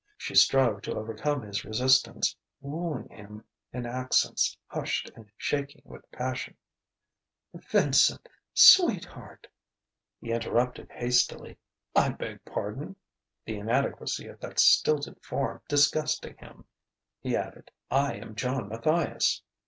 She strove to overcome his resistance, wooing him in accents hushed, shaking with passion: "Vincent ... sweetheart!..." He interrupted hastily: "I beg pardon!" The inadequacy of that stilted form, disgusting him, he added: "I am John Matthias."